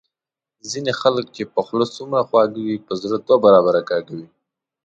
ځینی خلګ چي په خوله څومره خواږه وي په زړه دوه برابره کاږه وي